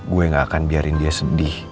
gue gak akan biarin dia sedih